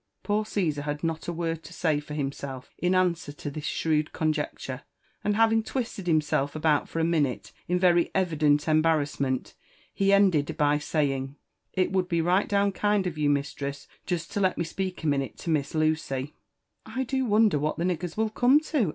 Poor Caesar had not a word to say for himself in answar to ttis shrewd conjecture, and having twisted himself about for a minute in very evident embarrassment, he ended by saying, '' It would beri^< down kind of you, mistress, jest to let me speak a minute to Lucy." JONATHAN JBFTfiRSON WHtTLAW. «Si '^"'I do wonder what the niggers will come to!"